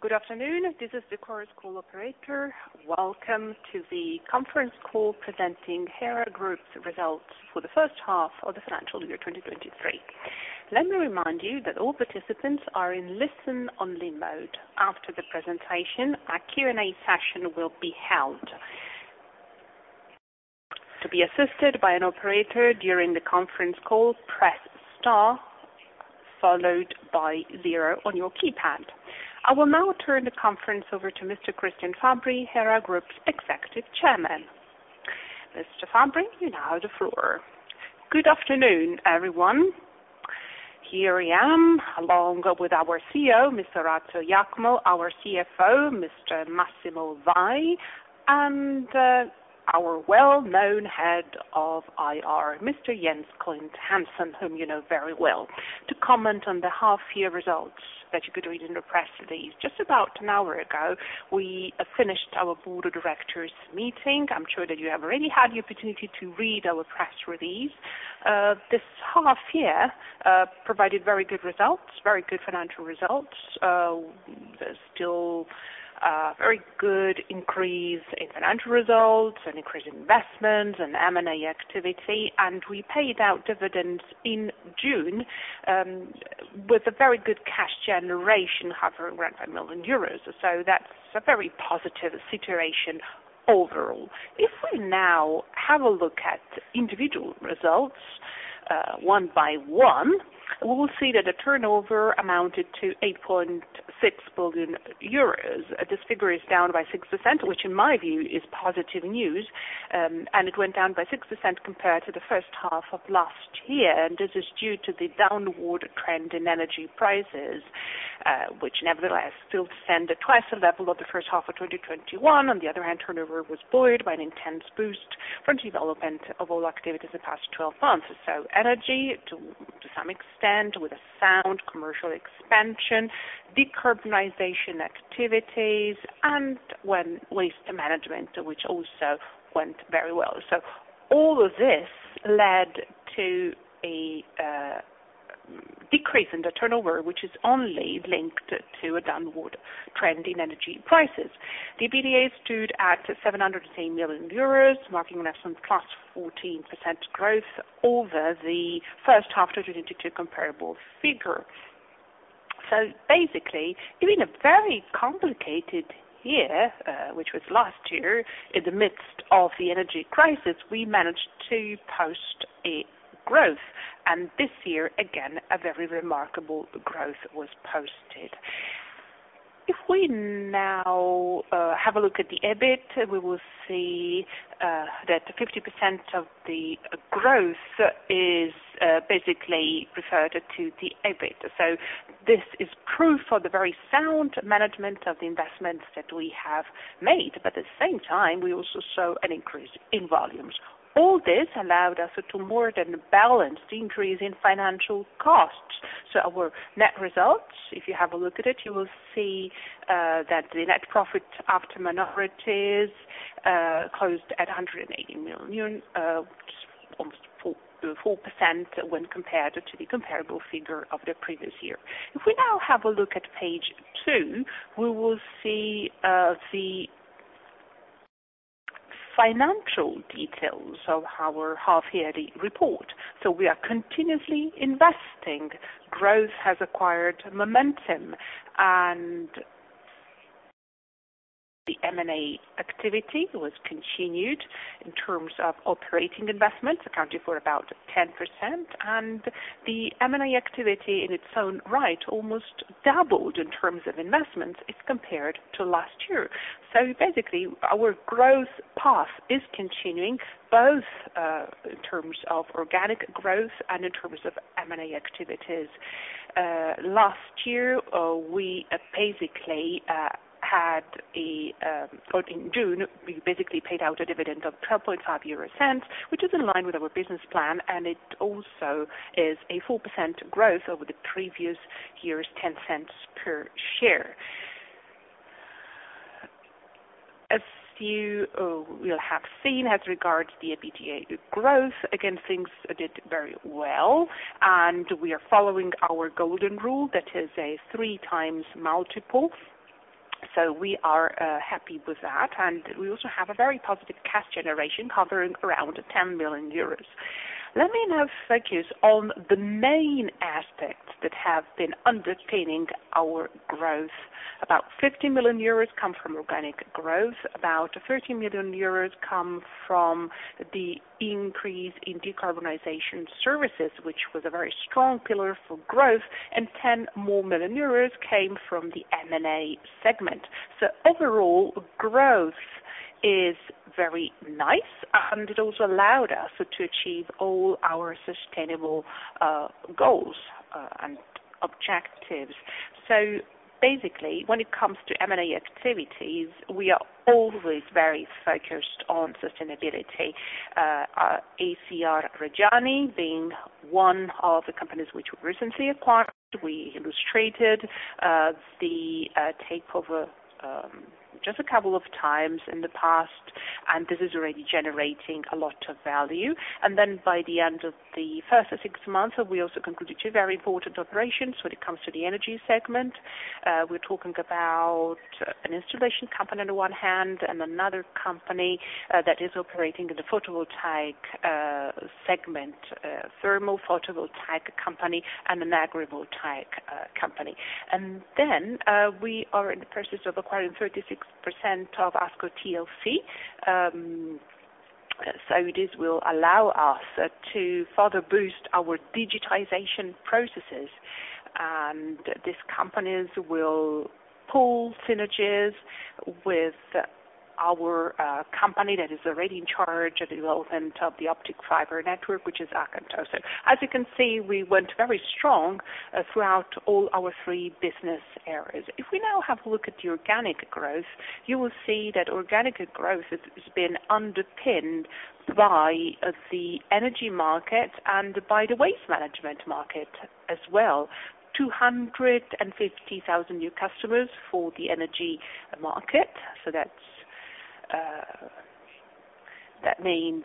Good afternoon. This is the Chorus Call operator. Welcome to the conference call presenting Hera Group's results for the first half of the financial year, 2023. Let me remind you that all participants are in listen-only mode. After the presentation, a Q&A session will be held. To be assisted by an operator during the conference call, press Star followed by zero on your keypad. I will now turn the conference over to Mr. Cristian Fabbri, Hera Group's Executive Chairman. Mr. Fabbri, you now have the floor. Good afternoon, everyone. Here I am, along with our CEO, Mr. Orazio Iacono, our CFO, Mr. Massimo Vai, and our well-known Head of IR, Mr. Jens Klint Hansen, whom you know very well, to comment on the half year results that you could read in the press release. Just about an hour ago, we finished our board of directors meeting. I'm sure that you have already had the opportunity to read our press release. This half year provided very good results, very good financial results. There's still a very good increase in financial results and increase in investments and M&A activity, and we paid out dividends in June, with a very good cash generation, hovering around 5 million euros. That's a very positive situation overall. If we now have a look at individual results, one by one, we will see that the turnover amounted to 8.6 billion euros. This figure is down by 6%, which in my view, is positive news. It went down by 6% compared to the first half of last year. This is due to the downward trend in energy prices, which nevertheless still stand at twice the level of the first half of 2021. On the other hand, turnover was buoyed by an intense boost from development of all activities the past 12 months. Energy, to some extent, with a sound commercial expansion, decarbonization activities and waste management, which also went very well. All of this led to a decrease in the turnover, which is only linked to a downward trend in energy prices. The EBITDA stood at 780 million euros, marking an excellent +14% growth over the first half to 2022 comparable figure. Basically, in a very complicated year, which was last year, in the midst of the energy crisis, we managed to post a growth, and this year, again, a very remarkable growth was posted. If we now have a look at the EBIT, we will see that 50% of the growth is basically referred to the EBIT. This is proof of the very sound management of the investments that we have made, but at the same time, we also saw an increase in volumes. All this allowed us to more than balance the increase in financial costs. Our net results, if you have a look at it, you will see that the net profit after minorities closed at 180 million, almost 4% when compared to the comparable figure of the previous year. If we now have a look at page two, we will see the financial details of our half yearly report. We are continuously investing. Growth has acquired momentum, and the M&A activity was continued in terms of operating investments, accounting for about 10%, and the M&A activity in its own right, almost doubled in terms of investments if compared to last year. Basically, our growth path is continuing, both in terms of organic growth and in terms of M&A activities. Last year, we basically had a. In June, we basically paid out a dividend of 0.125, which is in line with our business plan, and it also is a 4% growth over the previous year's 0.10 per share. As you will have seen, as regards the EBITDA growth, again, things did very well. We are following our golden rule, that is a 3x multiple. We are happy with that, and we also have a very positive cash generation hovering around 10 million euros. Let me now focus on the main aspects that have been underpinning our growth. About 50 million euros come from organic growth. About 30 million euros come from the increase in decarbonization services, which was a very strong pillar for growth, and 10 million euros came from the M&A segment. Overall, growth is very nice, and it also allowed us to achieve all our sustainable goals and objectives. Basically, when it comes to M&A activities, we are always very focused on ACR Reggiani being one of the companies which we recently acquired. We illustrated the takeover just a couple of times in the past, and this is already generating a lot of value. By the end of the first six months, we also completed two very important operations when it comes to the energy segment. We're talking about an installation company on the one hand, and another company that is operating in the photovoltaic segment, thermal photovoltaic company and an agrivoltaic company. We are in the process of acquiring 36% of Asco TLC. This will allow us to further boost our digitization processes, and these companies will pull synergies with our company that is already in charge of development of the optic fiber network, which is Acantho. As you can see, we went very strong throughout all our three business areas. If we now have a look at the organic growth, you will see that organic growth has been underpinned by the energy market and by the waste management market as well. 250,000 new customers for the energy market. That means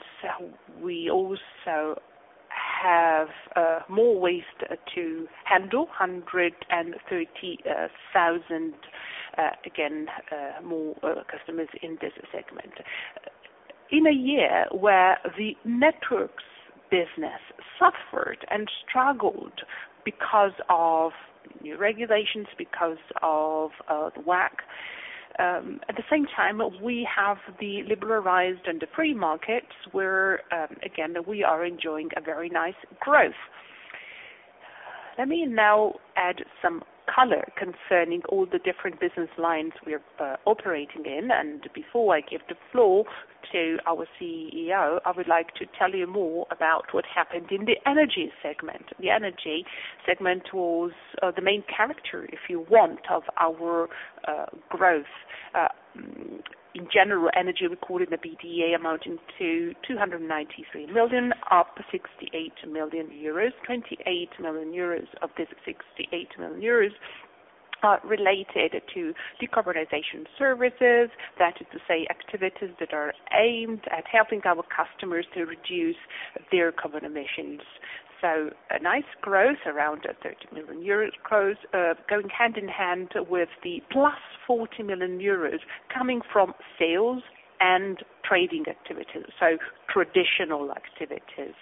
we also have more waste to handle, 130,000 again more customers in this segment. In a year where the networks business suffered and struggled because of new regulations, because of the WACC. At the same time, we have the liberalized and the free markets, where again, we are enjoying a very nice growth. Let me now add some color concerning all the different business lines we are operating in. Before I give the floor to our CEO, I would like to tell you more about what happened in the energy segment. The energy segment was the main character, if you want, of our growth. In general, energy, we recorded a PDA amounting to 293 million, up 68 million euros. 28 million euros of this 68 million euros are related to decarbonization services. That is to say, activities that are aimed at helping our customers to reduce their carbon emissions. A nice growth, around 30 million euros growth, going hand-in-hand with the +40 million euros coming from sales and trading activities, traditional activities.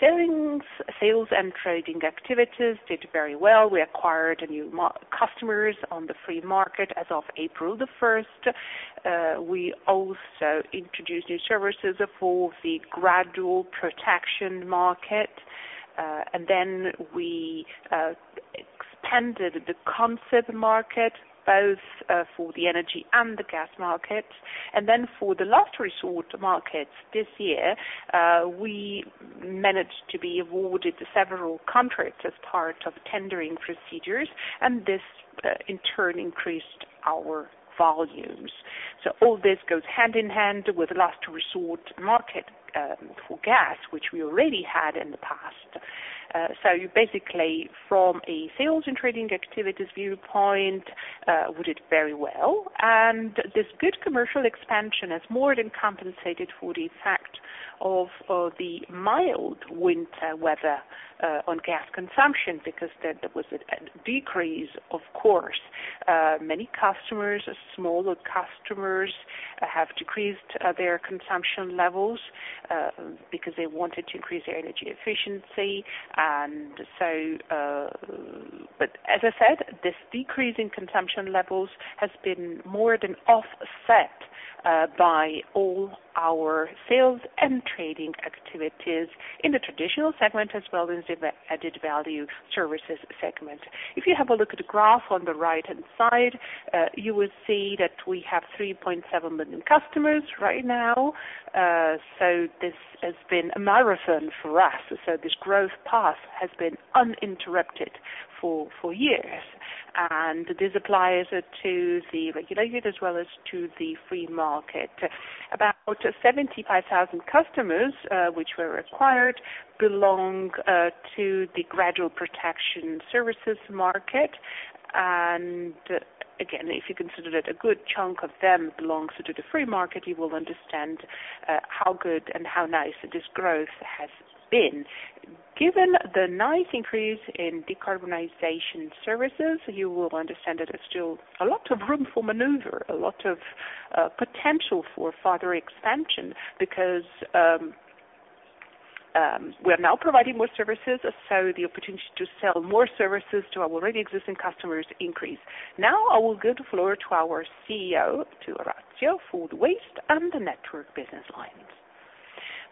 Sales and trading activities did very well. We acquired new customers on the free market as of April 1st. We also introduced new services for the gradual protection market, and we expanded the Consip market, both for the energy and the gas market. For the last resort market this year, we managed to be awarded several contracts as part of tendering procedures, and this in turn increased our volumes. All this goes hand in hand with last resort market for gas, which we already had in the past. Basically, from a sales and trading activities viewpoint, we did very well, and this good commercial expansion has more than compensated for the effect of the mild winter weather on gas consumption, because there was a decrease, of course. Many customers, smaller customers, have decreased their consumption levels because they wanted to increase their energy efficiency. But as I said, this decrease in consumption levels has been more than offset by all our sales and trading activities in the traditional segment, as well as in the added value services segment. If you have a look at the graph on the right-hand side, you will see that we have 3.7 million customers right now. This has been a marathon for us. This growth path has been uninterrupted for years, and this applies to the regulated as well as to the free market. About 75,000 customers, which were acquired, belong to the gradual protection services market. Again, if you consider that a good chunk of them belongs to the free market, you will understand how good and how nice this growth has been. Given the nice increase in decarbonization services, you will understand that there's still a lot of room for maneuver, a lot of potential for further expansion, because we are now providing more services, so the opportunity to sell more services to our already existing customers increase. Now, I will give the floor to our CEO, to Orazio, for the waste and the network business lines.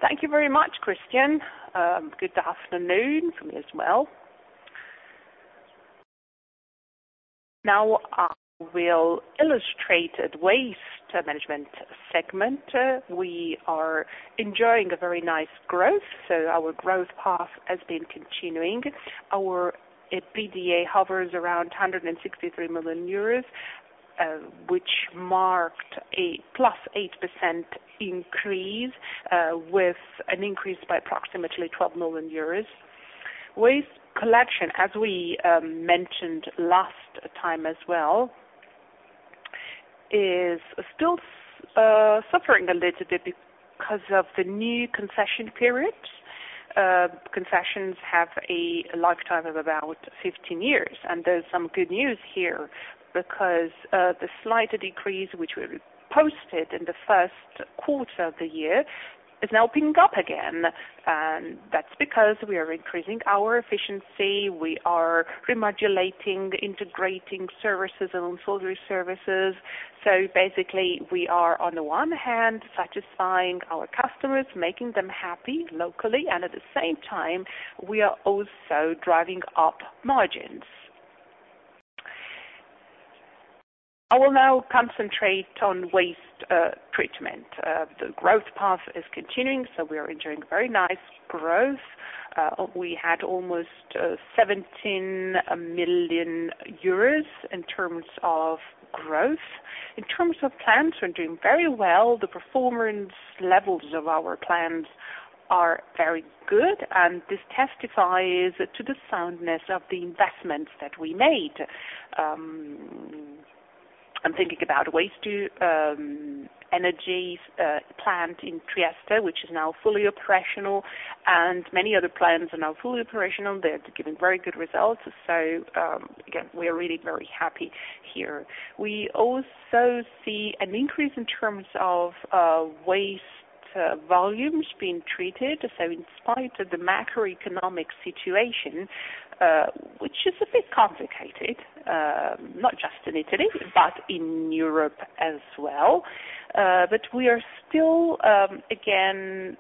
Thank you very much, Cristian. Good afternoon from me as well. Now, I will illustrate the waste management segment. We are enjoying a very nice growth, so our growth path has been continuing. Our PDA hovers around 163 million euros, which marked a +8% increase, with an increase by approximately 12 million euros. Waste collection, as we mentioned last time as well. is still suffering a little bit because of the new concession period. Concessions have a lifetime of about 15 years. There's some good news here because the slight decrease which we posted in the first quarter of the year is now picking up again. That's because we are increasing our efficiency, we are remodulating, integrating services and auxiliary services. Basically, we are on the one hand, satisfying our customers, making them happy locally, and at the same time, we are also driving up margins. I will now concentrate on waste treatment. The growth path is continuing, so we are enjoying very nice growth. We had almost 17 million euros in terms of growth. In terms of plants, we're doing very well. The performance levels of our plants are very good. This testifies to the soundness of the investments that we made. I'm thinking about waste energies plant in Trieste, which is now fully operational, and many other plants are now fully operational. They're giving very good results. Again, we are really very happy here. We also see an increase in terms of waste volumes being treated. In spite of the macroeconomic situation, which is a bit complicated, not just in Italy, but in Europe as well, but we are still again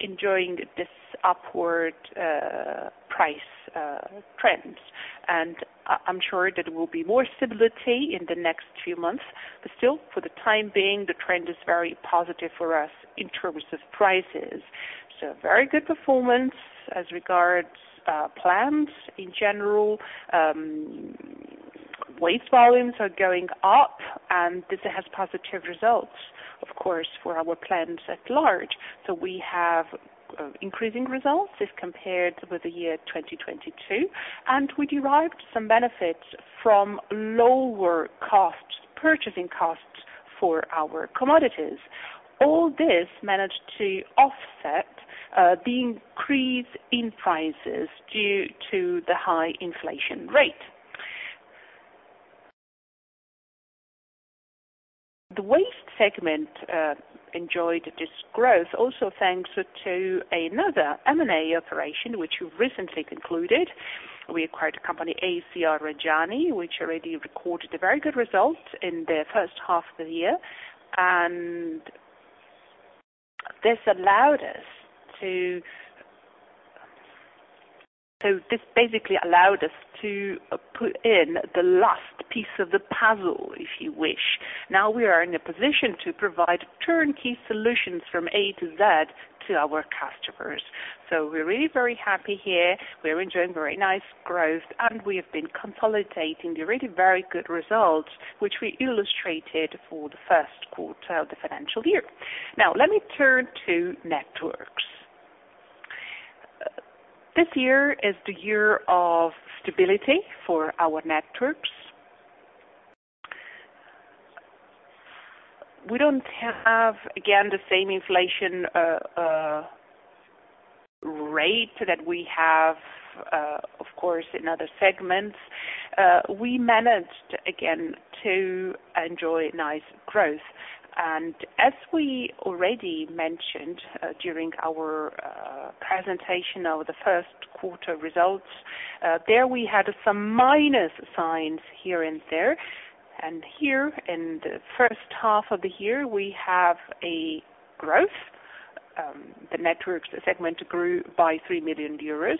enjoying this upward price trends. I'm sure there will be more stability in the next few months, but still, for the time being, the trend is very positive for us in terms of prices. Very good performance as regards plants in general. Waste volumes are going up, and this has positive results, of course, for our plants at large. We have increasing results if compared with the year 2022, and we derived some benefits from lower costs, purchasing costs for our commodities. All this managed to offset the increase in prices due to the high inflation rate. The waste segment enjoyed this growth also thanks to another M&A operation, which we recently concluded. We acquired a company, ACR Reggiani, which already recorded a very good result in the first half of the year. This basically allowed us to put in the last piece of the puzzle, if you wish. Now we are in a position to provide turnkey solutions from A to Z to our customers. We're really very happy here. We are enjoying very nice growth, and we have been consolidating the really very good results, which we illustrated for the first quarter of the financial year. Let me turn to networks. This year is the year of stability for our networks. We don't have, again, the same inflation rate that we have, of course, in other segments. We managed again to enjoy nice growth. As we already mentioned, during our presentation of the first quarter results, there we had some minus signs here and there. Here in the first half of the year, we have a growth. The networks segment grew by 3 million euros,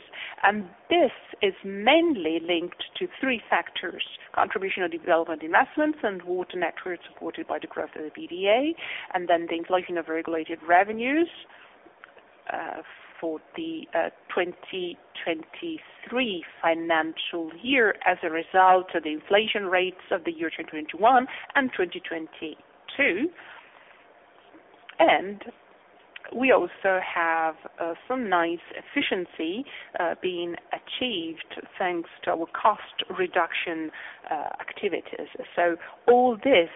this is mainly linked to three factors: contribution or development investments and water networks, supported by the growth of the EBITDA, the inflation of regulated revenues for the 2023 financial year as a result of the inflation rates of the year 2021 and 2022. We also have some nice efficiency being achieved thanks to our cost reduction activities. All this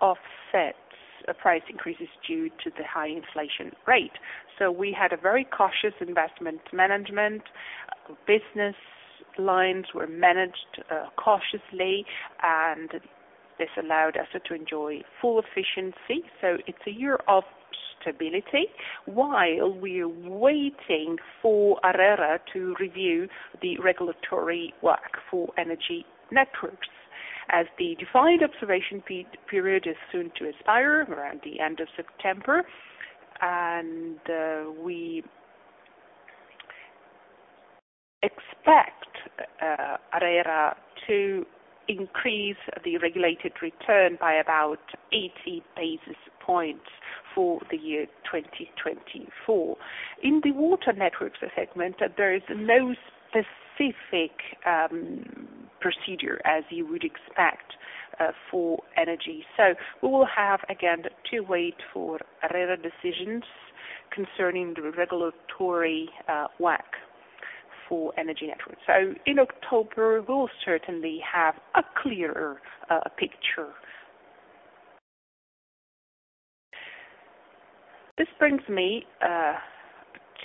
offsets price increases due to the high inflation rate. We had a very cautious investment management. Business lines were managed cautiously, and this allowed us to enjoy full efficiency. It's a year of stability while we are waiting for ARERA to review the regulatory work for energy networks. As the defined observation period is soon to expire around the end of September, we expect ARERA to increase the regulated return by about 80 basis points for the year 2024. In the water networks segment, there is no specific procedure, as you would expect for energy. We will have, again, to wait for ARERA decisions concerning the regulatory work for energy networks. In October, we will certainly have a clearer picture. This brings me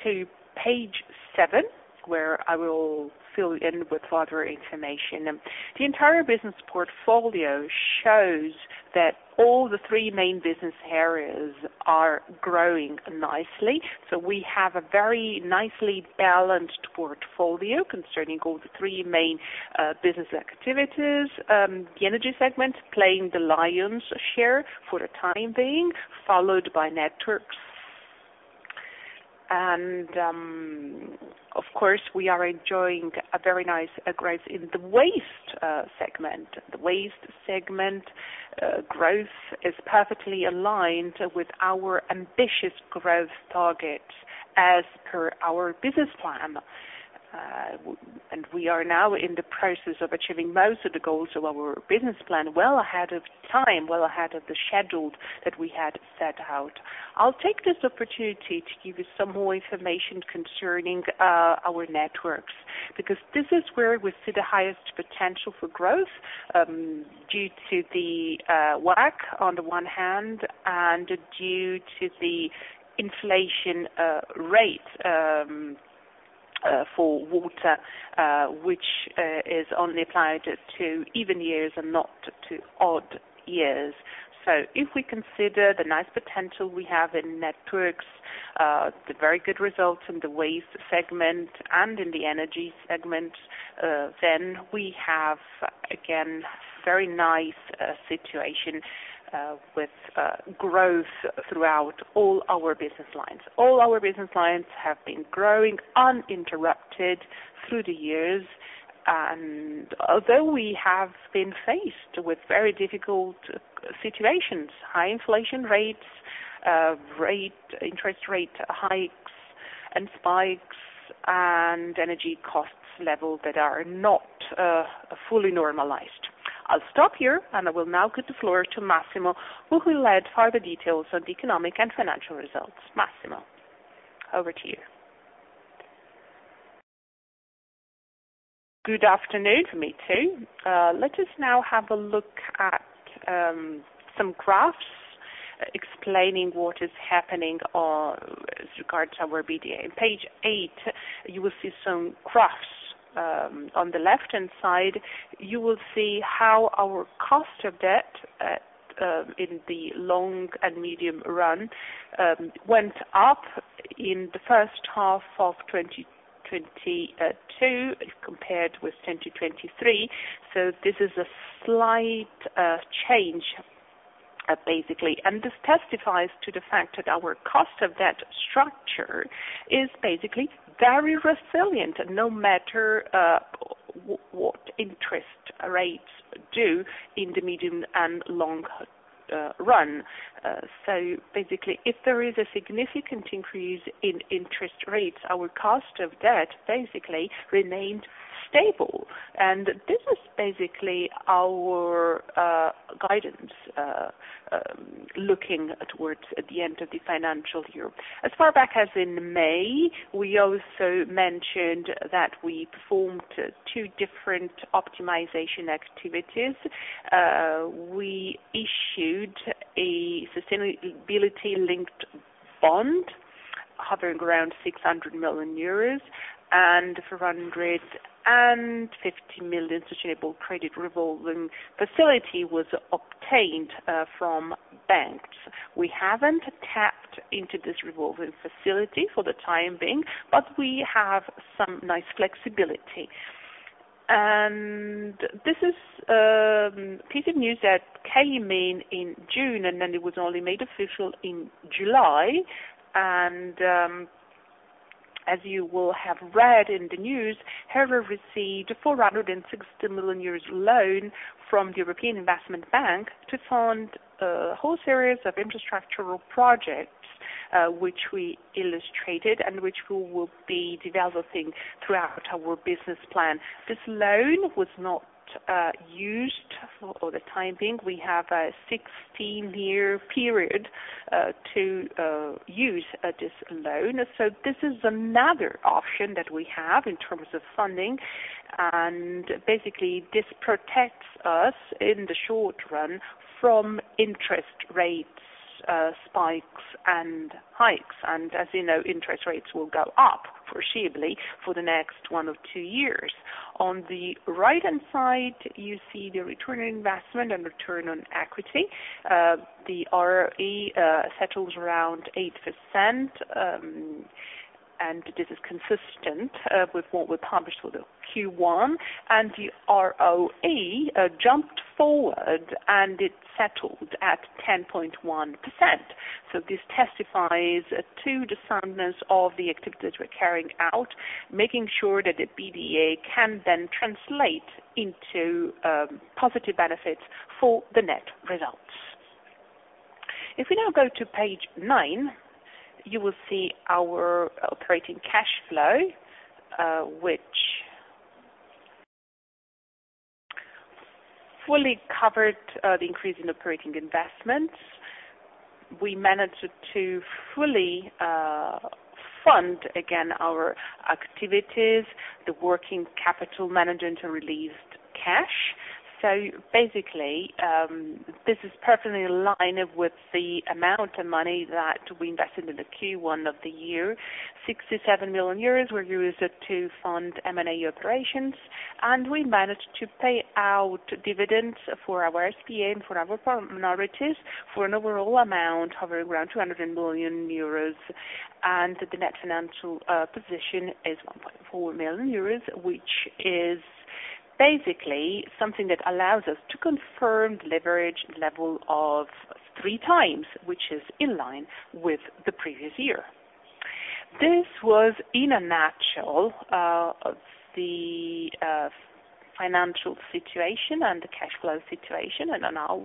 to page seven, where I will fill in with further information. The entire business portfolio shows that all the three main business areas are growing nicely. We have a very nicely balanced portfolio concerning all the three main business activities. The energy segment playing the lion's share for the time being, followed by networks. Of course, we are enjoying a very nice growth in the waste segment. The waste segment growth is perfectly aligned with our ambitious growth target as per our business plan. We are now in the process of achieving most of the goals of our business plan well ahead of time, well ahead of the schedule that we had set out. I'll take this opportunity to give you some more information concerning our networks, because this is where we see the highest potential for growth, due to the work on the one hand, and due to the inflation rate for water, which is only applied to even years and not to odd years. If we consider the nice potential we have in networks, the very good results in the waste segment and in the energy segment, we have, again, very nice situation with growth throughout all our business lines. All our business lines have been growing uninterrupted through the years, and although we have been faced with very difficult situations, high inflation rates, interest rate hikes and spikes, and energy costs level that are not fully normalized. I'll stop here, and I will now give the floor to Massimo, who will add further details on the economic and financial results. Massimo, over to you. Good afternoon, me too. Let us now have a look at some graphs explaining what is happening regarding our EBITDA. In page eight, you will see some graphs. On the left-hand side, you will see how our cost of debt in the long and medium run went up in the first half of 2022, compared with 2023. This is a slight change, basically. This testifies to the fact that our cost of debt structure is basically very resilient, no matter what interest rates do in the medium and long run. Basically, if there is a significant increase in interest rates, our cost of debt basically remains stable. This is basically our guidance looking towards the end of the financial year. As far back as in May, we also mentioned that we performed two different optimization activities. We issued a sustainability-linked bond, hovering around 600 million euros, and 450 million sustainable credit revolving facility was obtained from banks. We haven't tapped into this revolving facility for the time being, but we have some nice flexibility. This is piece of news that came in June, and then it was only made official in July. As you will have read in the news, Hera received a 460 million euros loan from the European Investment Bank to fund a whole series of infrastructural projects, which we illustrated and which we will be developing throughout our business plan. This loan was not used for the time being. We have a 16-year period to use this loan. This is another option that we have in terms of funding, and basically this protects us in the short run from interest rates, spikes and hikes. As you know, interest rates will go up foreseeably for the next one or two years. On the right-hand side, you see the return on investment and return on equity. The ROE settles around 8%, and this is consistent with what we published with the Q1, and the ROE jumped forward, and it settled at 10.1%. This testifies to the soundness of the activities we're carrying out, making sure that the EBITDA can then translate into positive benefits for the net results. If we now go to page nine, you will see our operating cash flow, fully covered the increase in operating investments. We managed to fully fund again our activities, the working capital management and released cash. This is perfectly in line with the amount of money that we invested in the Q1 of the year. 67 million euros were used to fund M&A operations, we managed to pay out dividends for our SpA and for our minorities, for an overall amount hovering around 200 million euros. The net financial position is 1.4 million euros, which is basically something that allows us to confirm the leverage level of 3x, which is in line with the previous year. This was in a nutshell the financial situation and the cash flow situation,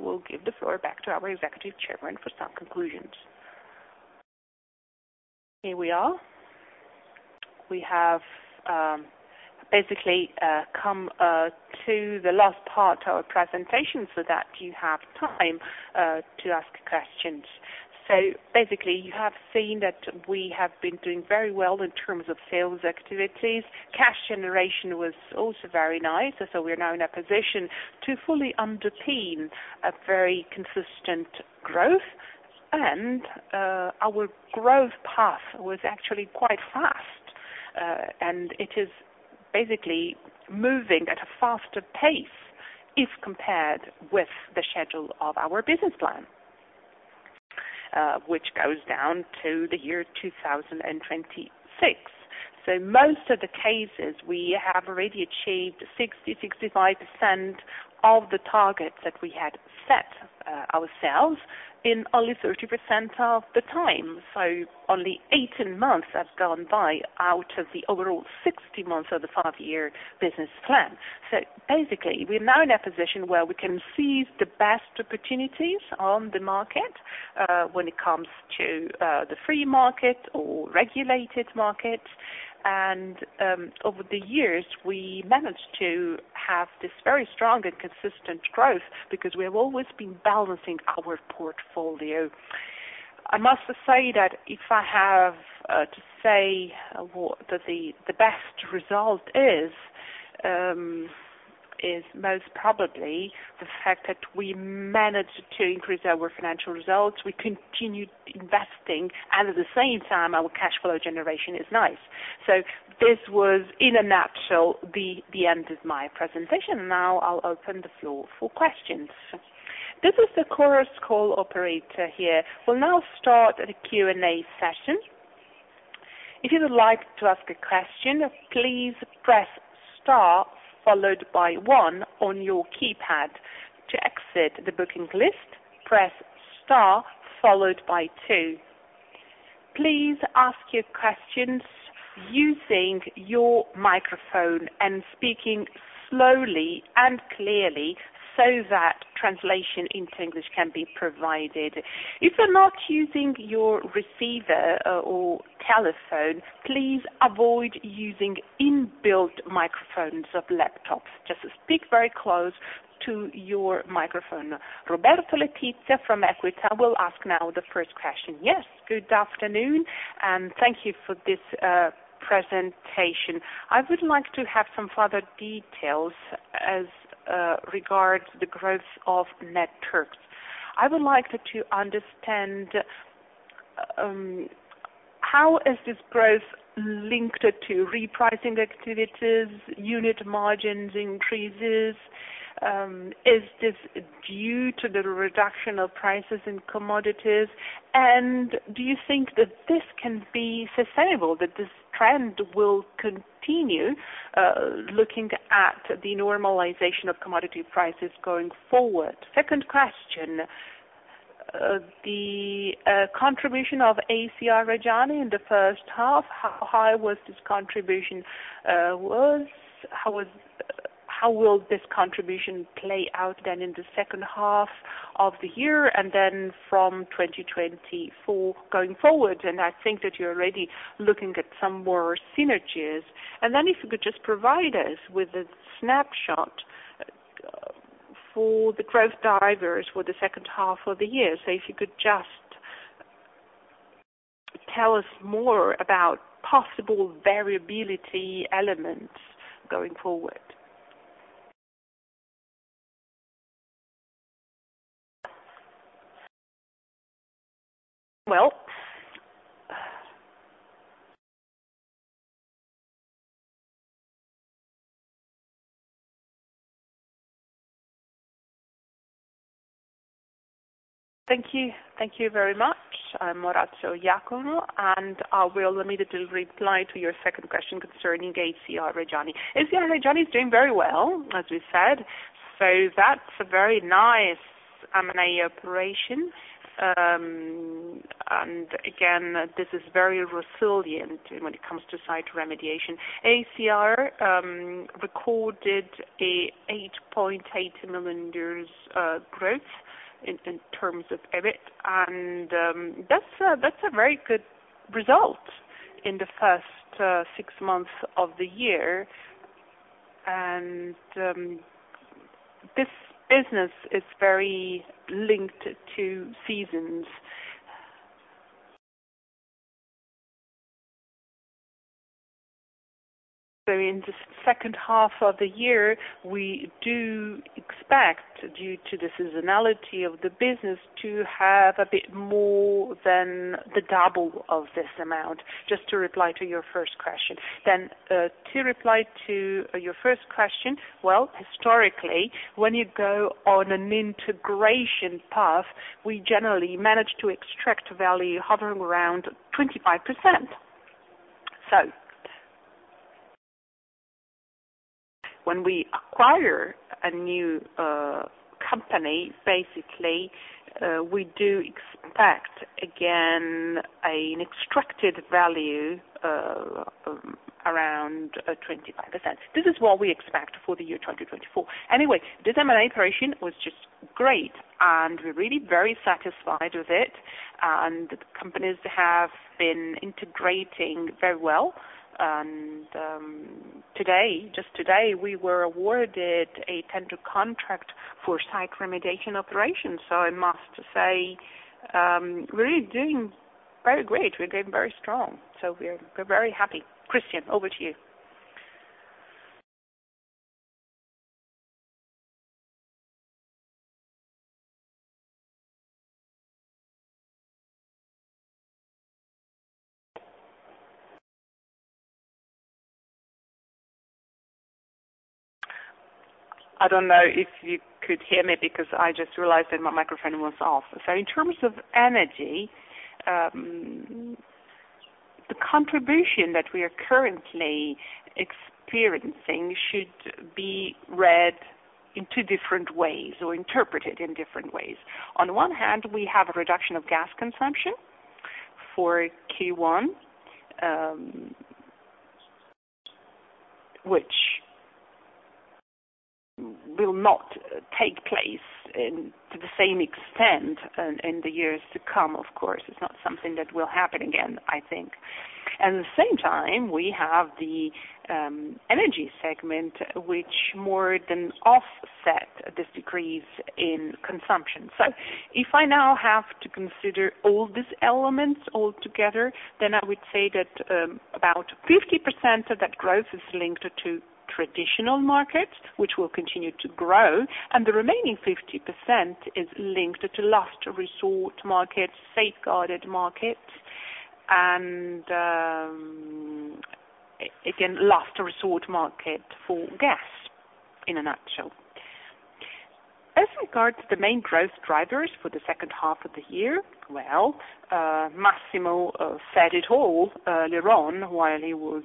we'll give the floor back to our Executive Chairman for some conclusions. Here we are. We have basically come to the last part of our presentation, so that you have time to ask questions. You have seen that we have been doing very well in terms of sales activities. Cash generation was also very nice, so we're now in a position to fully underpin a very consistent growth. Our growth path was actually quite fast, and it is basically moving at a faster pace if compared with the schedule of our business plan, which goes down to the year 2026. Most of the cases, we have already achieved 60%-65% of the targets that we had set ourselves in only 30% of the time. Only 18 months have gone by out of the overall 60 months of the five-year business plan. Basically, we're now in a position where we can seize the best opportunities on the market, when it comes to the free market or regulated market. Over the years, we managed to have this very strong and consistent growth because we have always been balancing our portfolio. I must say that if I have to say what the best result is most probably the fact that we managed to increase our financial results. We continued investing, and at the same time, our cash flow generation is nice. This was, in a nutshell, the end of my presentation. Now I'll open the floor for questions. This is the Chorus Call operator here. We'll now start the Q&A session. If you would like to ask a question, please press star followed by one on your keypad. To exit the booking list, press star followed by two. Please ask your questions using your microphone and speaking slowly and clearly so that translation into English can be provided. If you're not using your receiver or telephone, please avoid using inbuilt microphones of laptops. Just speak very close to your microphone. Roberto Letizia from EQUITA will ask now the first question. Yes, good afternoon, thank you for this presentation. I would like to have some further details as regards the growth of net terms. I would like to understand how is this growth linked to repricing activities, unit margins increases? Is this due to the reduction of prices in commodities? Do you think that this can be sustainable, that this trend will continue, looking at the normalization of commodity prices going forward? Second question, the contribution of ACR Reggiani in the first half, how was this contribution, how will this contribution play out then in the second half of the year and then from 2024 going forward? I think that you're already looking at some more synergies. Then if you could just provide us with a snapshot for the growth drivers for the second half of the year. If you could just tell us more about possible variability elements going forward. Thank you very much. I'm Orazio Iacono, and I will immediately reply to your second question concerning ACR Reggiani. ACR Reggiani is doing very well, as we said. That's a very nice M&A operation. Again, this is very resilient when it comes to site remediation. ACR recorded a 8.8 million euros growth in terms of EBIT, that's a very good result. In the first six months of the year, this business is very linked to seasons. In the second half of the year, we do expect, due to the seasonality of the business, to have a bit more than the double of this amount, just to reply to your first question. To reply to your first question, well, historically, when you go on an integration path, we generally manage to extract value hovering around 25%. When we acquire a new company, basically, we do expect, again, an extracted value around 25%. This is what we expect for the year 2024. This M&A operation was just great. We're really very satisfied with it. The companies have been integrating very well. Today, just today, we were awarded a tender contract for site remediation operations. I must say, we're really doing very great. We're doing very strong. We're very happy. Cristian, over to you. I don't know if you could hear me because I just realized that my microphone was off. In terms of energy, the contribution that we are currently experiencing should be read in two different ways or interpreted in different ways. On one hand, we have a reduction of gas consumption for Q1, which will not take place to the same extent in the years to come, of course. It's not something that will happen again, I think. At the same time, we have the energy segment, which more than offset this decrease in consumption. If I now have to consider all these elements all together, I would say that about 50% of that growth is linked to traditional markets, which will continue to grow, and the remaining 50% is linked to last resort markets, safeguarded markets, and again, last resort market for gas, in a nutshell. As regards the main growth drivers for the second half of the year, well, Massimo said it all earlier on while he was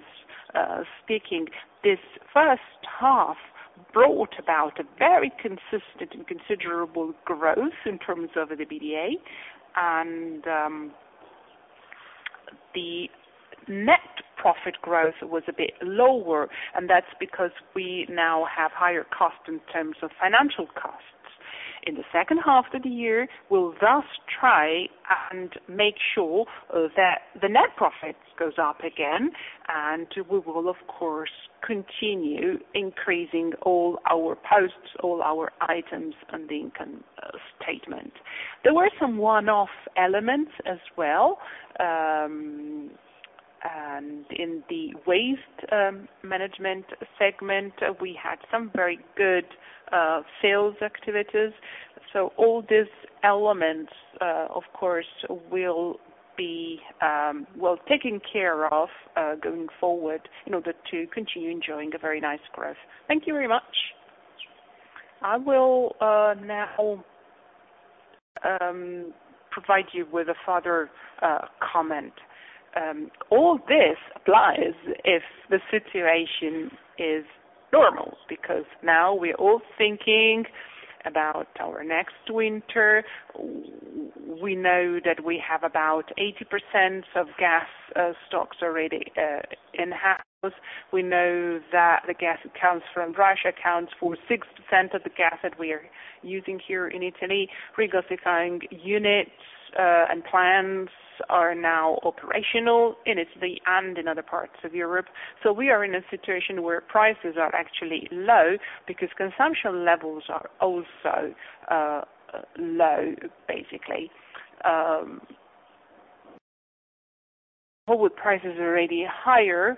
speaking. This first half brought about a very consistent and considerable growth in terms of the EBITDA, and the net profit growth was a bit lower, and that's because we now have higher costs in terms of financial costs. In the second half of the year, we'll thus try and make sure that the net profit goes up again, and we will, of course, continue increasing all our posts, all our items on the income statement. There were some one-off elements as well. In the waste management segment, we had some very good sales activities. All these elements, of course, will be well taken care of going forward in order to continue enjoying a very nice growth. Thank you very much. I will now provide you with a further comment. All this applies if the situation is normal, because now we're all thinking about our next winter. We know that we have about 80% of gas stocks already in-house. We know that the gas that comes from Russia accounts for 6% of the gas that we are using here in Italy. Regasifying units and plants are now operational in Italy and in other parts of Europe. We are in a situation where prices are actually low because consumption levels are also low, basically. Forward prices are already higher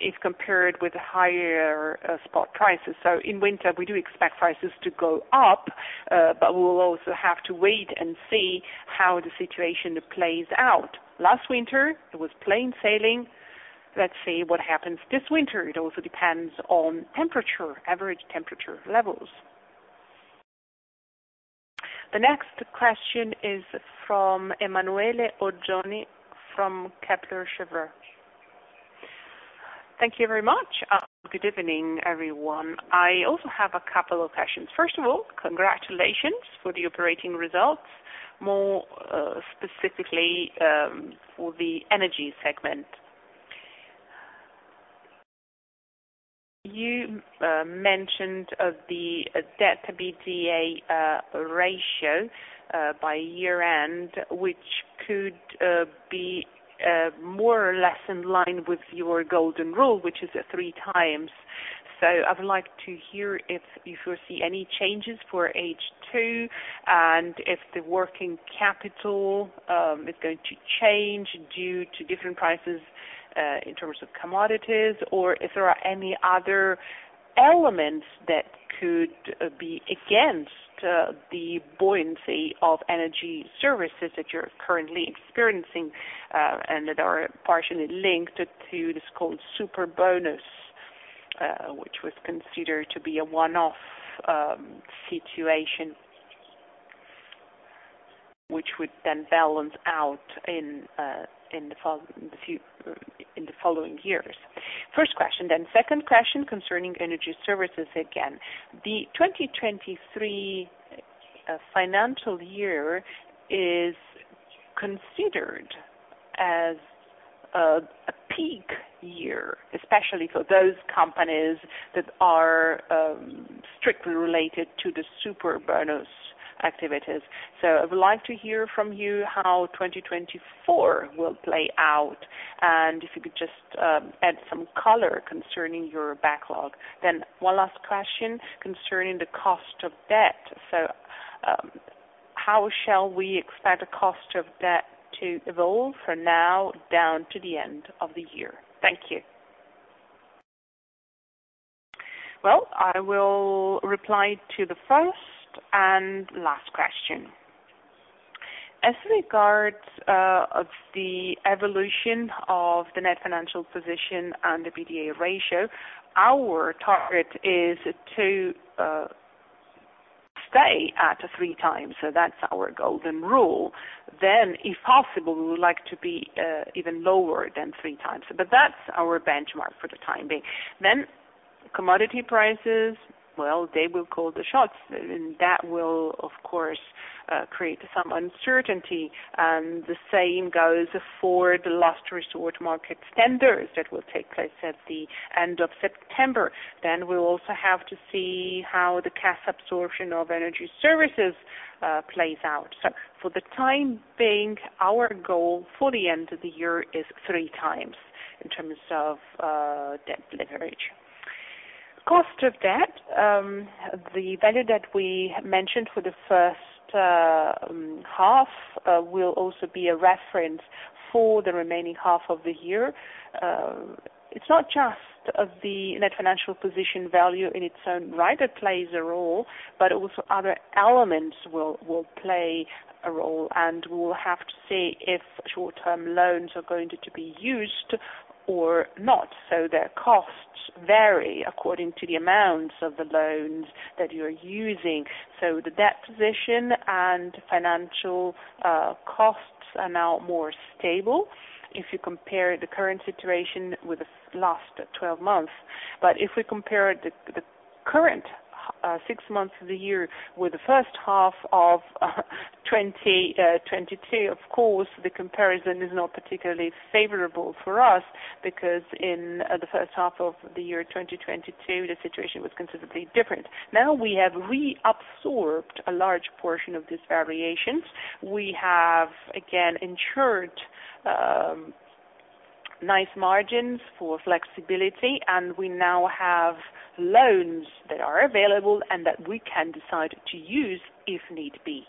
if compared with higher spot prices. In winter, we do expect prices to go up, we will also have to wait and see how the situation plays out. Last winter, it was plain sailing. Let's see what happens this winter. It also depends on temperature, average temperature levels. The next question is from Emanuele Oggioni from Kepler Cheuvreux. Thank you very much. Good evening, everyone. I also have a couple of questions. First of all, congratulations for the operating results, more specifically, for the energy segment. You mentioned of the debt to EBITDA ratio by year-end, which could be more or less in line with your golden rule, which is at 3x. I would like to hear if you see any changes for H2, and if the working capital is going to change due to different prices in terms of commodities, or if there are any other elements that could be against the buoyancy of energy services that you're currently experiencing, and that are partially linked to this called super-bonus, which was considered to be a one-off situation. Which would then balance out in the following years. First question, then second question concerning energy services again. The 2023 financial year is considered as a peak year, especially for those companies that are strictly related to the super-bonus activities. I would like to hear from you how 2024 will play out, and if you could just add some color concerning your backlog. One last question concerning the cost of debt. How shall we expect the cost of debt to evolve from now down to the end of the year? Thank you. I will reply to the first and last question. As regards of the evolution of the net financial position and the EBITDA ratio, our target is to stay at 3x. That's our golden rule. If possible, we would like to be even lower than 3x. That's our benchmark for the time being. Commodity prices, well, they will call the shots, and that will, of course, create some uncertainty. The same goes for the last resort market tenders that will take place at the end of September. We'll also have to see how the cash absorption of energy services plays out. For the time being, our goal for the end of the year is 3x in terms of debt leverage. Cost of debt, the value that we mentioned for the first half will also be a reference for the remaining half of the year. It's not just of the net financial position value in its own right that plays a role, but also other elements will play a role, and we will have to see if short-term loans are going to be used or not. Their costs vary according to the amounts of the loans that you are using. The debt position and financial costs are now more stable if you compare the current situation with the last 12 months. If we compare the current six months of the year with the first half of 2022, of course, the comparison is not particularly favorable for us, because in the first half of the year, 2022, the situation was considerably different. Now we have reabsorbed a large portion of these variations. We have, again, ensured nice margins for flexibility, and we now have loans that are available and that we can decide to use if need be.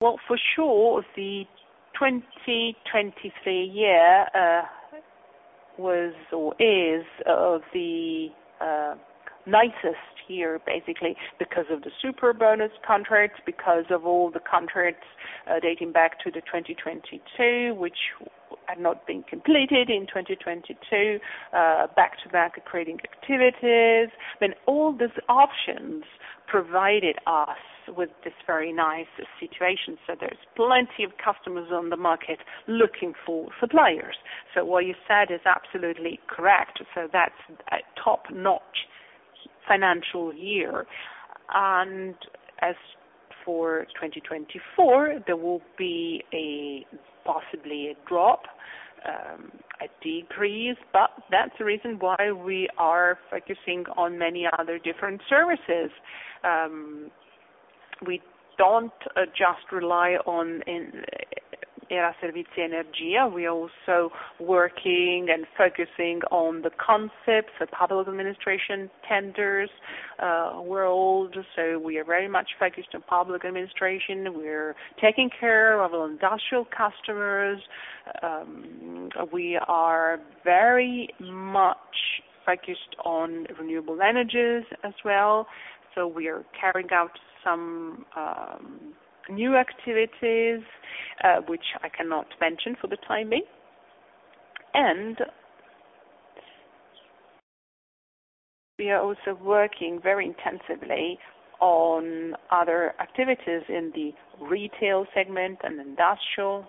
For sure, the 2023 year was or is the nicest year, basically, because of the super-bonus contracts, because of all the contracts dating back to 2022, which had not been completed in 2022, back-to-back creating activities. All these options provided us with this very nice situation. There's plenty of customers on the market looking for suppliers. What you said is absolutely correct. That's a top-notch financial year. As for 2024, there will be a possibly a drop, a decrease, but that's the reason why we are focusing on many other different services. We don't just rely on Hera Servizi Energia. We're also working and focusing on the concepts, the public administration tenders, world. We are very much focused on public administration. We're taking care of our industrial customers. We are very much focused on renewable energies as well. We are carrying out some new activities, which I cannot mention for the time being. We are also working very intensively on other activities in the retail segment and industrial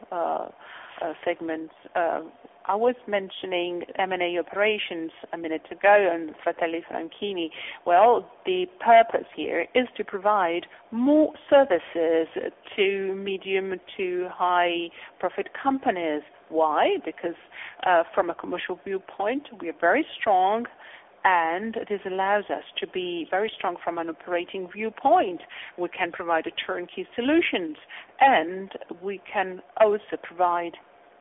segments. I was mentioning M&A operations a minute ago, and Fratelli Franchini. Well, the purpose here is to provide more services to medium to high profit companies. Why? Because, from a commercial viewpoint, we are very strong, and this allows us to be very strong from an operating viewpoint. We can provide a turnkey solutions, and we can also provide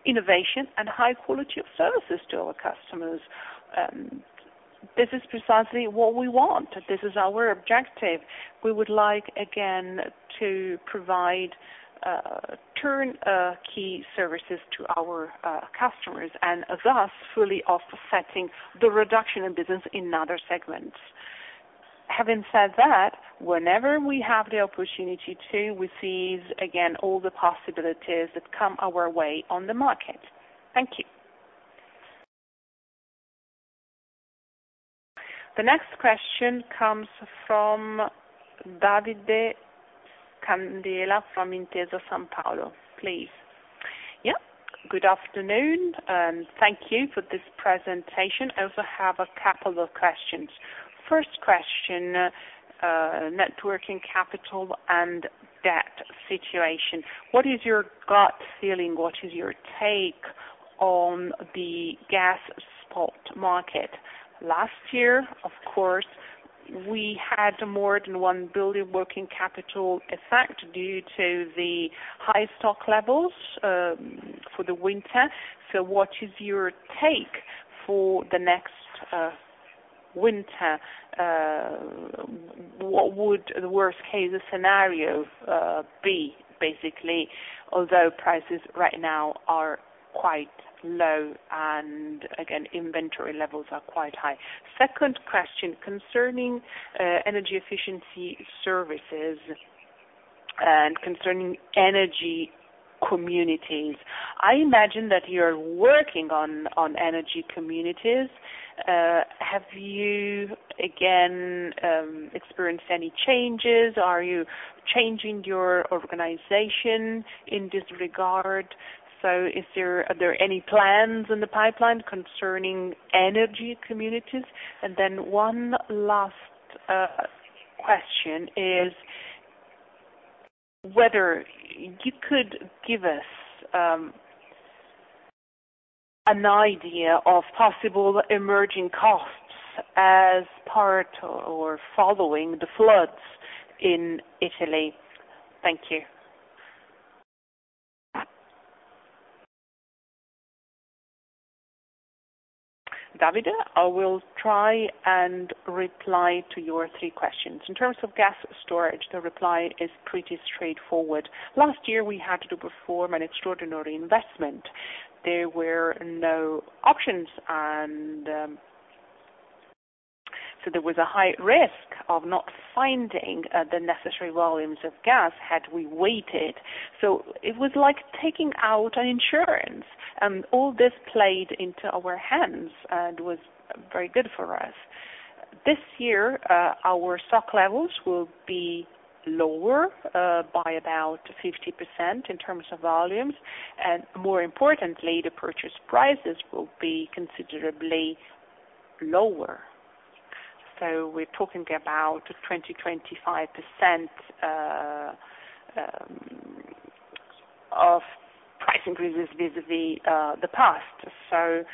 innovation and high quality of services to our customers. This is precisely what we want. This is our objective. We would like, again, to provide turn key services to our customers, and thus, fully offsetting the reduction in business in other segments. Having said that, whenever we have the opportunity to, we seize again all the possibilities that come our way on the market. Thank you. The next question comes from Davide Candela from Intesa Sanpaolo, please. Yeah, good afternoon, and thank you for this presentation. I also have a couple of questions. First question, networking capital and debt situation. What is your gut feeling, what is your take on the gas spot market? Last year, of course, we had more than 1 billion working capital effect due to the high stock levels for the winter. What is your take for the next winter? What would the worst-case scenario be, basically, although prices right now are quite low and again, inventory levels are quite high? Second question, concerning energy efficiency services and concerning energy communities, I imagine that you're working on energy communities. Have you, again, experienced any changes? Are you changing your organization in this regard? Are there any plans in the pipeline concerning energy communities? One last question is, whether you could give us an idea of possible emerging costs as part or following the floods in Italy? Thank you. Davide, I will try and reply to your three questions. In terms of gas storage, the reply is pretty straightforward. Last year, we had to perform an extraordinary investment. There were no options, and so there was a high risk of not finding the necessary volumes of gas had we waited. It was like taking out an insurance, and all this played into our hands and was very good for us. This year, our stock levels will be lower by about 50% in terms of volumes, and more importantly, the purchase prices will be considerably lower. We're talking about 20%-25% of price increases vis-a-vis the past.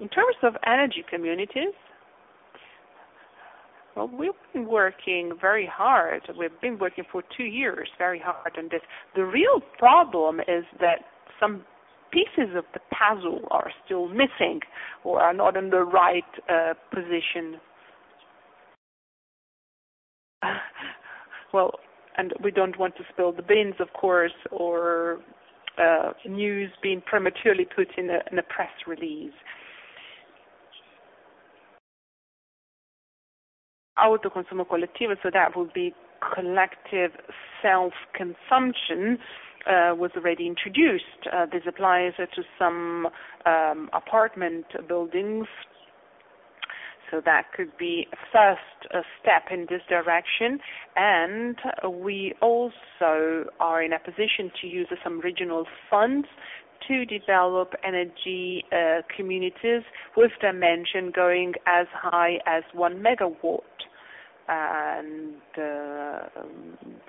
In terms of energy communities, well, we've been working very hard. We've been working for two years, very hard on this. The real problem is that some pieces of the puzzle are still missing or are not in the right position. We don't want to spill the beans, of course, or news being prematurely put in a press release. Autoconsumo collettivo, so that would be collective self-consumption, was already introduced. This applies to some apartment buildings, so that could be a first step in this direction. We also are in a position to use some regional funds to develop energy communities with dimension going as high as 1 MW.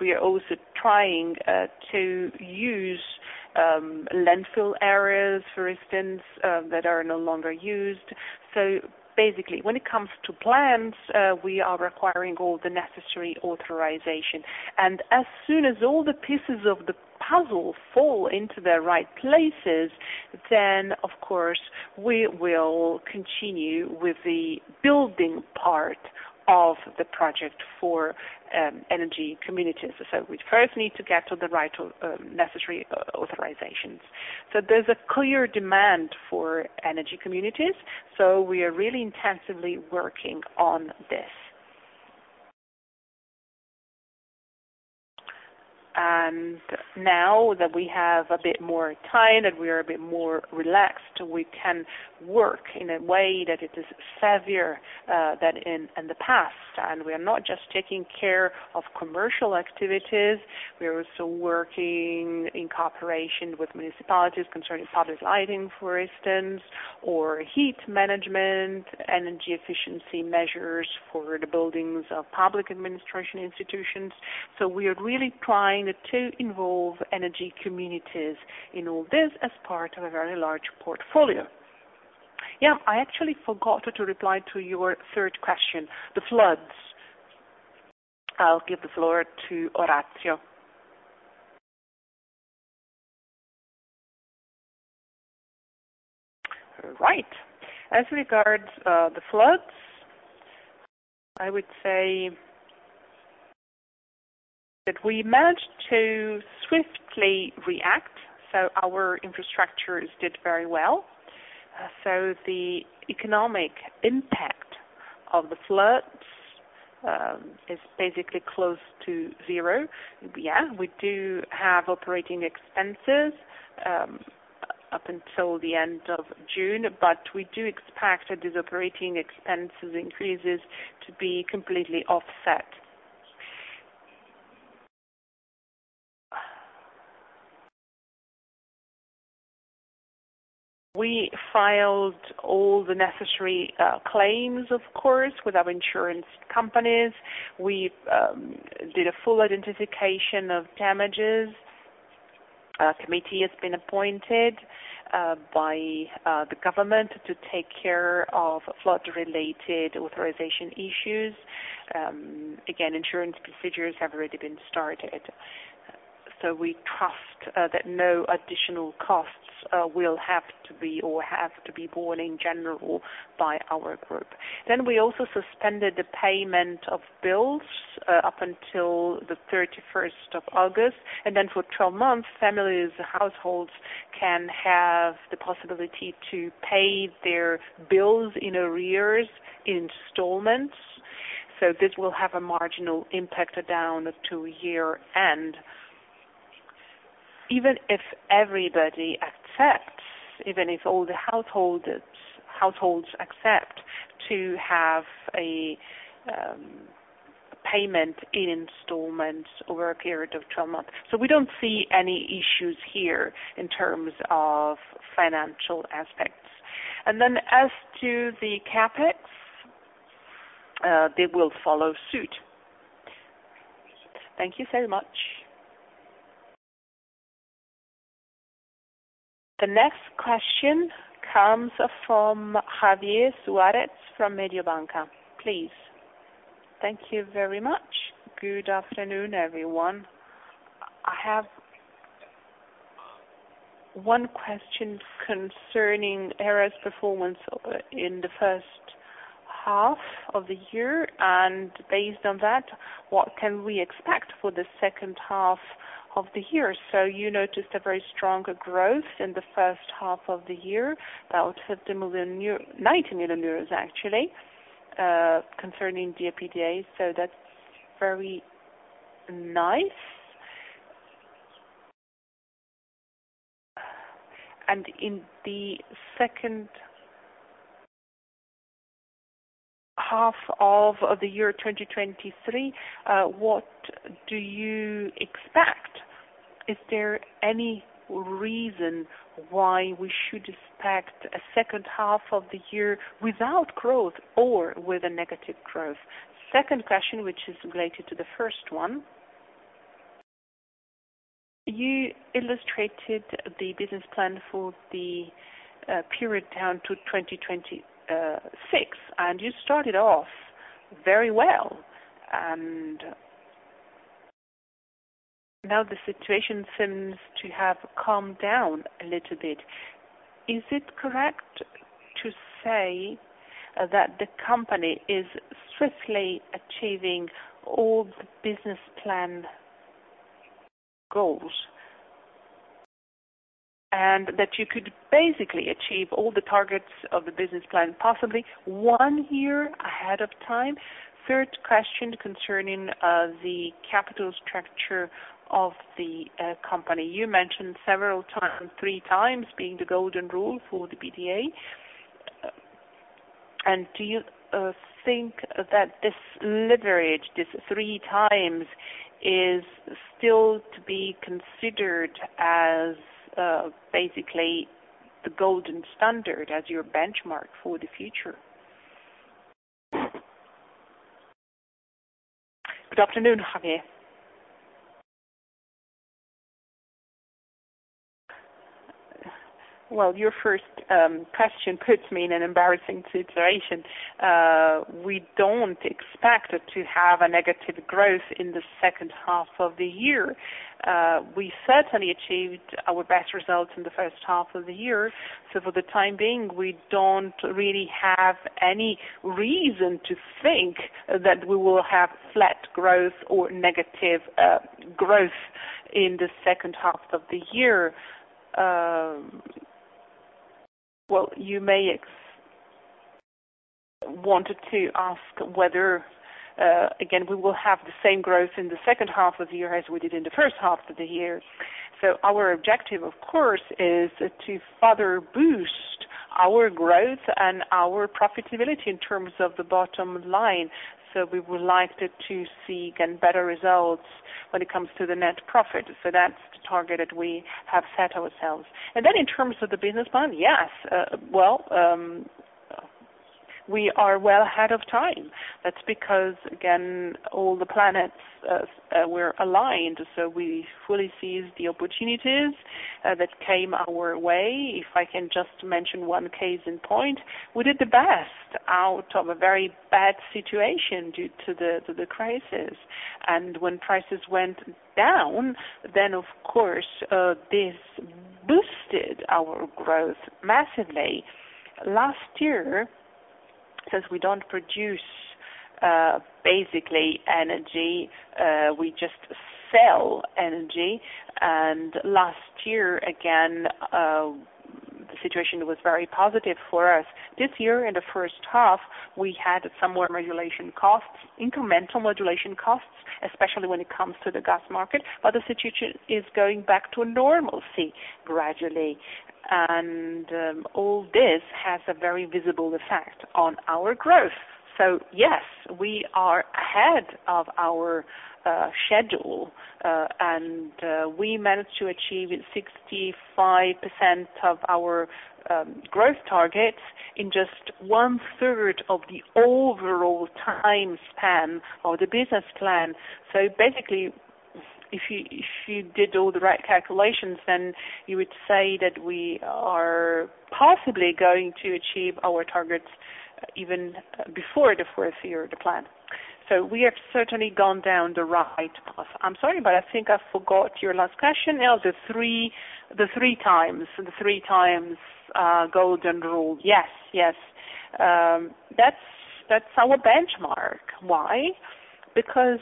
We are also trying to use landfill areas, for instance, that are no longer used. When it comes to plans, we are requiring all the necessary authorization. As soon as all the pieces of the puzzle fall into their right places, then of course, we will continue with the building part of the project for energy communities. We first need to get to the right, necessary, authorizations. There's a clear demand for energy communities, so we are really intensively working on this. Now that we have a bit more time, and we are a bit more relaxed, we can work in a way that it is savvier than in the past. We are not just taking care of commercial activities, we are also working in cooperation with municipalities concerning public lighting, for instance, or heat management, energy efficiency measures for the buildings of public administration institutions. We are really trying to involve energy communities in all this as part of a very large portfolio. Yeah, I actually forgot to reply to your third question, the floods. I'll give the floor to Orazio. Right. As regards the floods, I would say that we managed to swiftly react. Our infrastructures did very well. The economic impact of the floods is basically close to zero. Yeah, we do have operating expenses up until the end of June, but we do expect that these operating expenses increases to be completely offset. We filed all the necessary claims, of course, with our insurance companies. We did a full identification of damages. A committee has been appointed by the government to take care of flood-related authorization issues. Again, insurance procedures have already been started. We trust that no additional costs will have to be or have to be borne in general by our group. We also suspended the payment of bills up until the 31st of August, and then for 12 months, families and households can have the possibility to pay their bills in arrears, in installments. This will have a marginal impact down to year-end. Even if everybody accepts, even if all the householders, households accept to have a payment in installments over a period of 12 months. We don't see any issues here in terms of financial aspects. As to the CapEx, they will follow suit. Thank you so much. The next question comes from Javier Suarez from Mediobanca. Please. Thank you very much. Good afternoon, everyone. I have one question concerning Hera's performance in the first half of the year, and based on that, what can we expect for the second half of the year? You noticed a very strong growth in the first half of the year, about 50 million, 90 million euros, actually, concerning the EBITDA, so that's very nice. In the second half of the year, 2023, what do you expect? Is there any reason why we should expect a second half of the year without growth or with a negative growth? Second question, which is related to the first one. You illustrated the business plan for the period down to 2026, and you started off very well, and now the situation seems to have calmed down a little bit. Is it correct to say that the company is swiftly achieving all the business plan goals? And that you could basically achieve all the targets of the business plan, possibly one year ahead of time? Third question, concerning the capital structure of the company. You mentioned several times, 3x, being the golden rule for the EBITDA. Do you think that this leverage, this 3x, is still to be considered as basically the golden standard, as your benchmark for the future? Good afternoon, Javier. Well, your first question puts me in an embarrassing situation. We don't expect to have a negative growth in the second half of the year. We certainly achieved our best results in the first half of the year. For the time being, we don't really have any reason to think that we will have flat growth or negative growth in the second half of the year. Well, you wanted to ask whether again, we will have the same growth in the second half of the year as we did in the first half of the year. Our objective, of course, is to further boost our growth and our profitability in terms of the bottom line. We would like to seek and better results when it comes to the net profit. That's the target that we have set ourselves. Then in terms of the business plan, yes, well, We are well ahead of time. That's because, again, all the planets were aligned, so we fully seized the opportunities that came our way. If I can just mention one case in point, we did the best out of a very bad situation due to the crisis. When prices went down, then of course, this boosted our growth massively. Last year, since we don't produce, basically energy, we just sell energy, and last year, again, the situation was very positive for us. This year, in the first half, we had some more regulation costs, incremental regulation costs, especially when it comes to the gas market, but the situation is going back to a normalcy gradually. All this has a very visible effect on our growth. Yes, we are ahead of our schedule, and we managed to achieve 65% of our growth targets in just one third of the overall time span of the business plan. Basically, if you, if you did all the right calculations, then you would say that we are possibly going to achieve our targets even before the fourth year of the plan. We have certainly gone down the right path. I'm sorry, but I think I forgot your last question now. The 3x golden rule. Yes, yes. That's our benchmark. Why? Because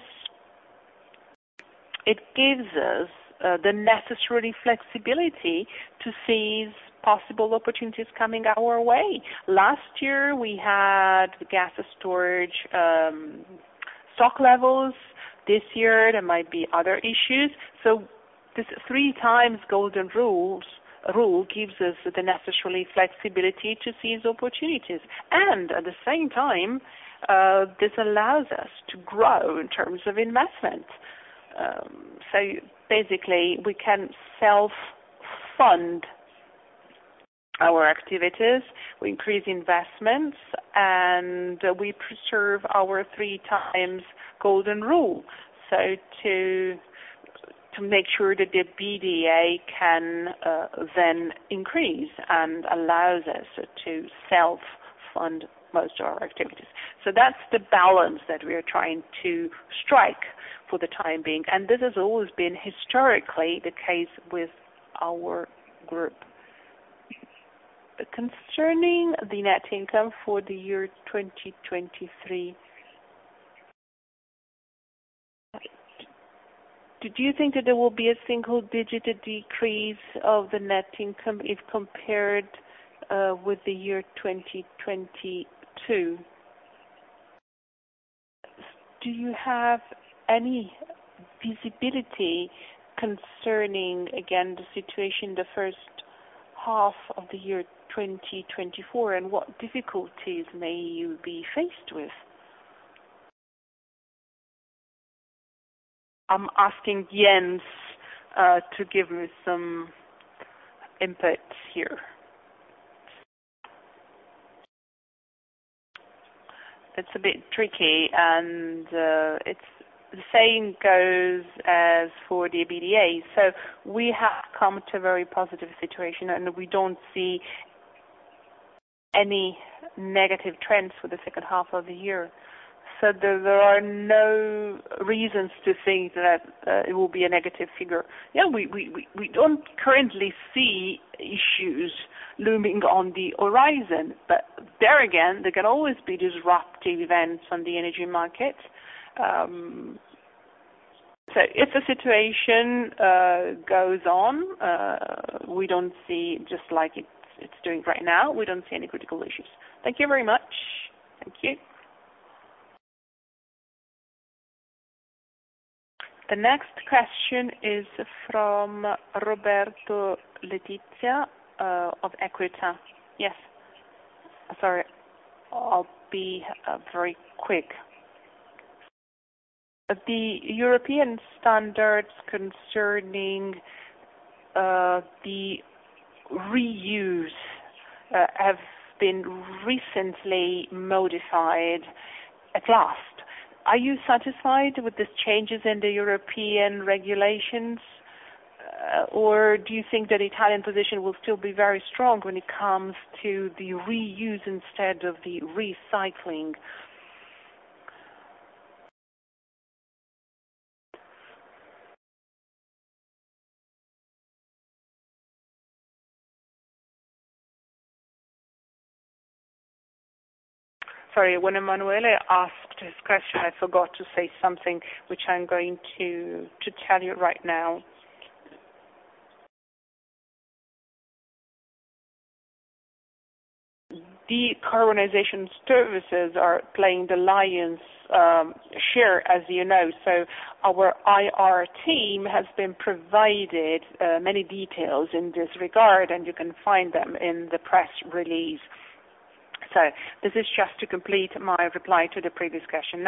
it gives us the necessary flexibility to seize possible opportunities coming our way. Last year, we had gas storage stock levels. This year, there might be other issues. This 3x golden rule gives us the necessary flexibility to seize opportunities. At the same time, this allows us to grow in terms of investment. Basically, we can self-fund our activities, we increase investments, and we preserve our 3x golden rule. To make sure that the EBITDA can then increase and allows us to self-fund most of our activities. That's the balance that we are trying to strike for the time being, and this has always been historically the case with our group. Concerning the net income for the year 2023, do you think that there will be a single-digit decrease of the net income if compared with the year 2022? Do you have any visibility concerning, again, the situation in the first half of the year 2024, and what difficulties may you be faced with? I'm asking Jens to give me some inputs here. It's a bit tricky, it's the same goes as for the EBITDA. We have come to a very positive situation, we don't see any negative trends for the second half of the year. There are no reasons to think that it will be a negative figure. We don't currently see issues looming on the horizon, there again, there can always be disruptive events on the energy market. If the situation goes on, we don't see just like it's doing right now, we don't see any critical issues. Thank you very much. Thank you. The next question is from Roberto Letizia of EQUITA. Yes. Sorry. I'll be very quick. The European standards concerning the reuse have been recently modified at last. Are you satisfied with the changes in the European regulations? Or do you think that Italian position will still be very strong when it comes to the reuse instead of the recycling? Sorry, when Emanuele asked his question, I forgot to say something which I'm going to tell you right now. Decarbonization services are playing the lion's share, as you know. Our IR team has been provided many details in this regard, and you can find them in the press release. This is just to complete my reply to the previous question.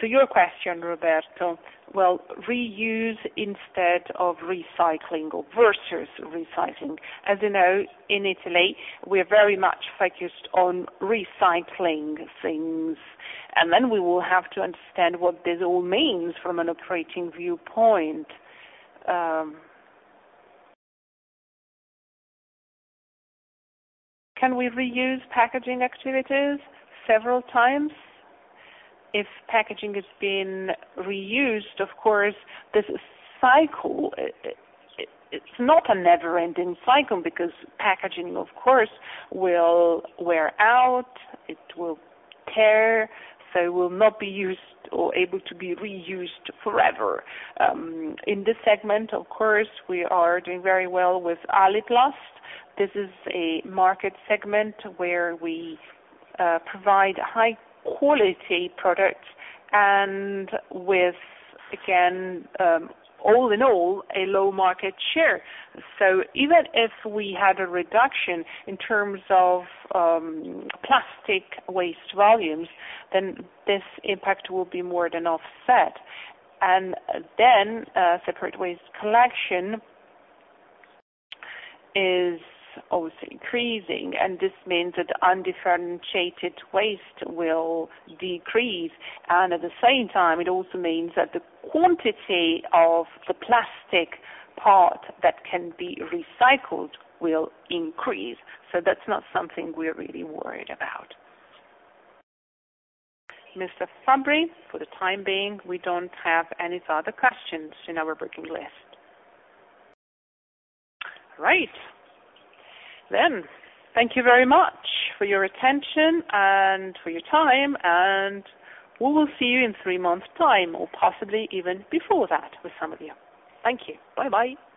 To your question, Roberto, well, reuse instead of recycling or versus recycling. As you know, in Italy, we are very much focused on recycling things. We will have to understand what this all means from an operating viewpoint. Can we reuse packaging activities several times? If packaging is being reused, of course, this cycle, it's not a never-ending cycle because packaging, of course, will wear out, it will tear. It will not be used or able to be reused forever. In this segment, of course, we are doing very well with Aliplast. This is a market segment where we provide high quality products and with, again, all in all, a low market share. Even if we had a reduction in terms of plastic waste volumes, this impact will be more than offset. Then, separate waste collection is obviously increasing, and this means that the undifferentiated waste will decrease, and at the same time, it also means that the quantity of the plastic part that can be recycled will increase. That's not something we're really worried about. Mr. Fabbri, for the time being, we don't have any further questions in our booking list. Great. Thank you very much for your attention and for your time, and we will see you in three months' time, or possibly even before that with some of you. Thank you. Bye-bye.